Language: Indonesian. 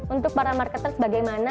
untuk para marketers bagaimana